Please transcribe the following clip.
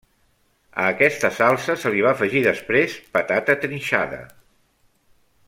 A aquesta salsa se li va afegir, després, patata trinxada.